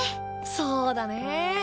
そうだね。